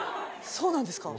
そうなんですか？